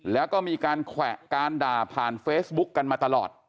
แล้วก็มีการแขวะการด่าผ่านเฟซบุ๊กกันมาตลอด